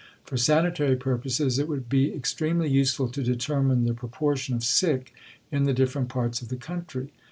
For sanitary purposes it would be extremely useful to determine the proportion of sick in the different parts of the country.